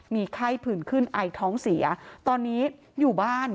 มีไข้ผื่นขึ้นไอท้องเสียตอนนี้อยู่บ้าน